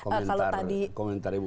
kalau tadi kegelisahan